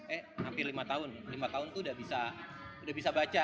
eh hampir lima tahun lima tahun tuh udah bisa baca